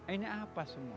ini apa semua